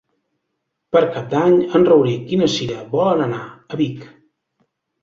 Per Cap d'Any en Rauric i na Cira volen anar a Vic.